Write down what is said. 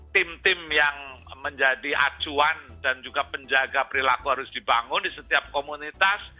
tim tim yang menjadi acuan dan juga penjaga perilaku harus dibangun di setiap komunitas